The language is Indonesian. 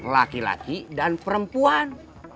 laki laki dan perempuan